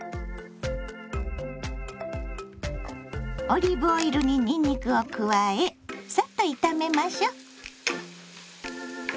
オリーブオイルににんにくを加えさっと炒めましょ。